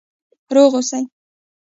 روغ اوسئ؟